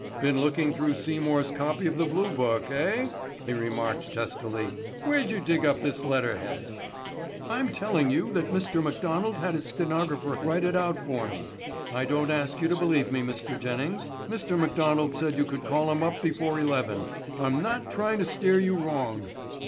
"Been looking through Seymour's copy of the Blue Book, eh?" he remarked testily. "Where'd you dig up this letter head?" "I'm telling you that Mr. McDonald had his stenographer write it out for me. I don't ask you to believe me, Mr. Jennings. Mr. McDonald said you could call him up before eleven. I'm not trying to steer you wrong."